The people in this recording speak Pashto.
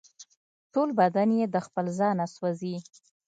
ټول بدن یې د خپل ځانه سوزي